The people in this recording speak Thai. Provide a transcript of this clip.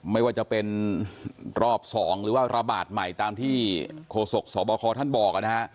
ไม่ว่าจะเป็นรอบ๒หรือว่าระบาดใหม่ตามที่โฆษกสบคท่านบอกนะฮะ